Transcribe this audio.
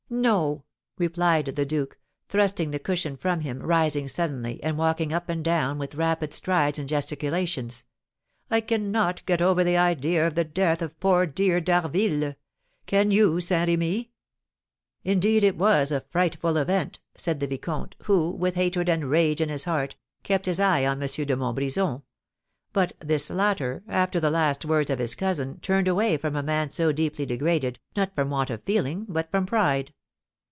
"No," replied the duke, thrusting the cushion from him, rising suddenly, and walking up and down with rapid strides and gesticulations, "I cannot get over the idea of the death of poor dear D'Harville; can you, Saint Remy?" "Indeed, it was a frightful event!" said the vicomte, who, with hatred and rage in his heart, kept his eye on M. de Montbrison; but this latter, after the last words of his cousin, turned away from a man so deeply degraded, not from want of feeling, but from pride.